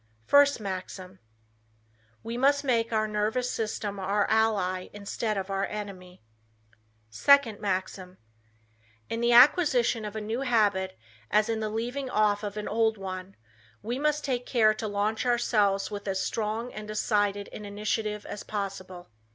First Maxim: "We must make our nervous system our ally instead of our enemy." Second Maxim: "In the acquisition of a new habit as in the leaving off of an old one, we must take care to launch ourselves with as strong and decided an initiative as possible."